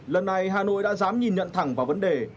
lần này hà nội đã dám nhìn nhận thẳng vào vấn đề